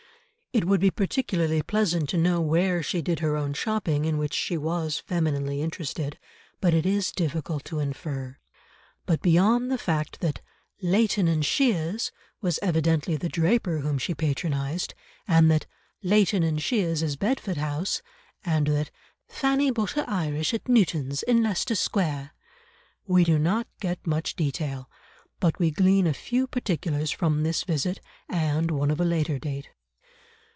It would be particularly pleasant to know where she did her own shopping in which she was femininely interested, but it is difficult to infer. But beyond the fact that "Layton and Shears" was evidently the draper whom she patronised, and that "Layton and Shears is Bedford House," and that "Fanny bought her Irish at Newton's in Leicester Square," we do not get much detail. But we glean a few particulars from this visit, and one of a later date.